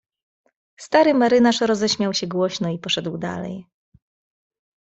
"Stary marynarz roześmiał się głośno i poszedł dalej."